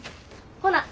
ほな。